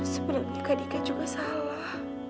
sebenarnya kalika juga salah